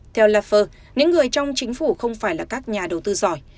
theo laper những người trong chính phủ không phải là các nhà đầu tư giỏi